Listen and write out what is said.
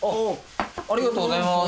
ありがとうございます。